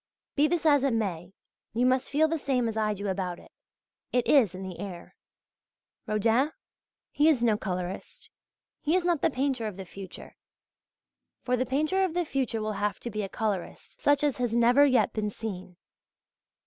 Be this as it may, you must feel the same as I do about it it is in the air. Rodin? He is no colourist. He is not the painter of the future. For the painter of the future will have to be a colourist such as has never yet been seen.